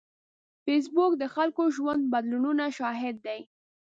فېسبوک د خلکو د ژوند بدلونونو شاهد دی